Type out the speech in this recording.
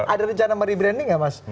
ada rencana merebranding nggak mas